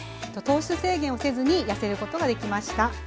糖質制限をせずにやせることができました。